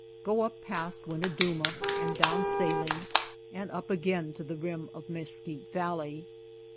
Go up past Winnedumah and down Saline and up again to the rim of Mesquite Valley.